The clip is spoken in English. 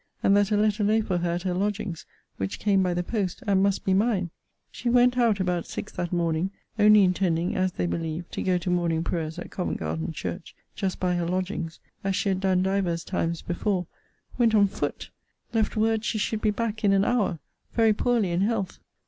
and that a letter lay for her at her lodgings, which came by the post; and must be mine! She went out about six that morning; only intending, as they believe, to go to morning prayers at Covent Garden church, just by her lodgings, as she had done divers times before Went on foot! Left word she should be back in an hour! Very poorly in health!